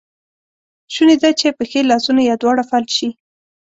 شونی ده چې پښې، لاسونه یا دواړه فلج شي.